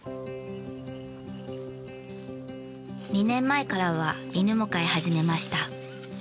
２年前からは犬も飼い始めました。